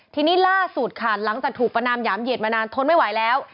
ทีนี้ล่าสุดค่ะหลังจากถูกประนามหยามเหยียดมานานทนไม่ไหวแล้ว